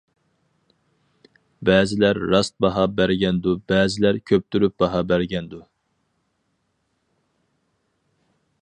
بەزىلەر راست باھا بەرگەندۇ بەزىلەر كۆپتۈرۈپ باھا بەرگەندۇ.